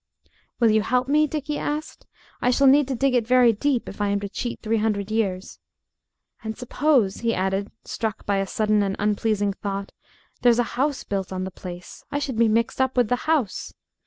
"Will you help me?" Dickie asked. "I shall need to dig it very deep if I am to cheat three hundred years. And suppose," he added, struck by a sudden and unpleasing thought, "there's a house built on the place. I should be mixed up with the house.